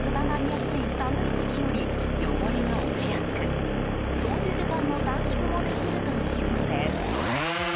つまり、油が固まりやすい寒い時期より汚れが落ちやすく掃除時間の短縮もできるというのです。